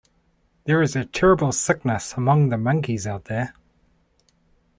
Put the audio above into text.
There is a terrible sickness among the monkeys out there.